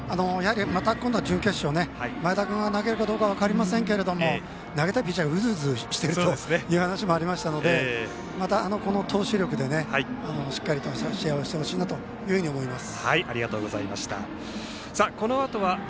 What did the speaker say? また今度は準決勝前田君が投げるか分かりませんが投げたくてうずうずしてるという話もありましたのでこの投手力でしっかりと試合をしてほしいなと思います。